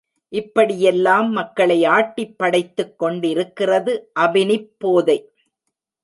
இப்படியெல்லாம் மக்களை ஆட்டிப்படைத்துக் கொண்டிருக்கிறது அபினிப் போதை.